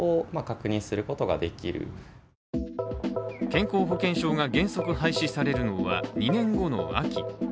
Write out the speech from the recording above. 健康保険証が原則廃止されるのは２年後の秋。